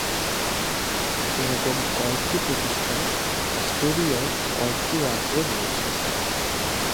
এরকম কয়েকটি প্রতিষ্ঠান অস্ট্রেলিয়ার কয়েকটি রাজ্যে রয়েছে।